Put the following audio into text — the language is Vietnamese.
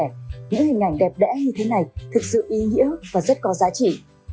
đẽ như thế này thực sự ý nghĩa và rất có giá trị